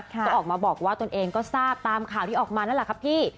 ก็ออกมาบอกว่าตนเองก็ทราบตามข่าวที่ออกมานั่นแหละครับพี่